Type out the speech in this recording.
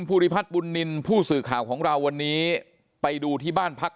ภูริพัฒน์บุญนินทร์ผู้สื่อข่าวของเราวันนี้ไปดูที่บ้านพัก